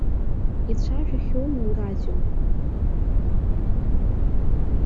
Ицәажәахьоума урадио?